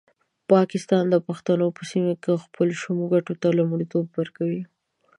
پاکستان د پښتنو په سیمه کې خپلو شومو ګټو ته لومړیتوب ورکوي.